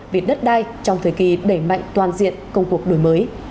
về đất đai trong thời kỳ đẩy mạnh toàn diện công cuộc đổi mới